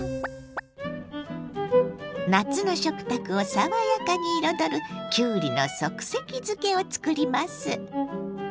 夏の食卓を爽やかに彩るきゅうりの即席漬けを作ります。